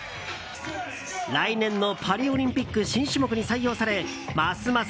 来年のパリオリンピック新種目に採用されますます